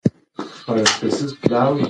د ماشوم پر شونډو سپین ځگونه راغلل.